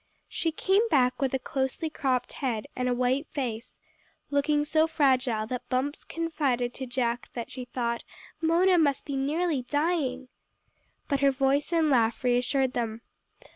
She came back with a closely cropped head, and a white face, looking so fragile that Bumps confided to Jack that she thought "Mona must be nearly dying." But her voice and laugh reassured them.